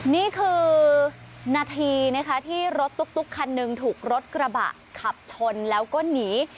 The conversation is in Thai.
นี่คือนาทีนะคะที่รถตุ๊กคันหนึ่งถูกรถกระบะขับชนแล้วก็หนี